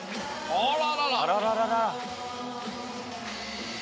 あらららら！